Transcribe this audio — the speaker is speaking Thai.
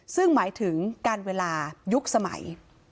ซึ่งหมายถึงการเวลายุคสมัย